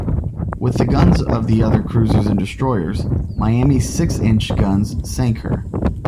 With the guns of the other cruisers and destroyers, "Miami"s six-inch guns sank her.